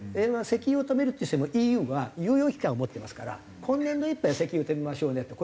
石油を止めるとしてもＥＵは猶予期間を持ってますから今年度いっぱいは石油を取りましょうねと。